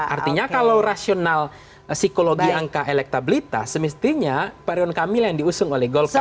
artinya kalau rasional psikologi angka elektabilitas semestinya pak rion kamil yang diusung oleh golkar